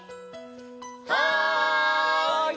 はい！